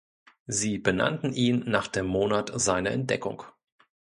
Sie benannten ihn nach dem Monat seiner Entdeckung.